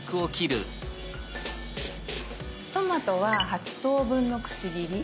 トマトは８等分のくし切り。